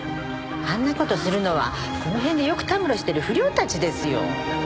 あんな事するのはこの辺でよくたむろしてる不良たちですよ。